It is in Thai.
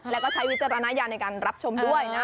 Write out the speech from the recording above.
แล้วก็ใช้วิจารณญาณในการรับชมด้วยนะ